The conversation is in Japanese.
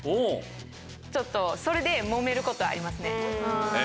ちょっとそれでもめることありますね。